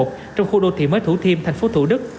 trong khu đô thị mới thủ thiêm thành phố thủ đức